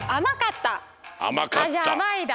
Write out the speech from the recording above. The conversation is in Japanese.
じゃああまいだ。